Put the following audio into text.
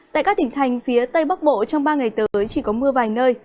tại các tỉnh thành phía tây bắc bộ trong ba ngày tới chỉ có mưa vài nơi